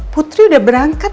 putri udah berangkat